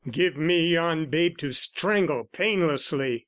"Give me yon babe to strangle painlessly!